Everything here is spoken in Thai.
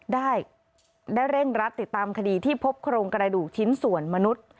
ได้เร่งรัดติดตามคดีที่พบโครงกระดูกชิ้นส่วนมนุษย์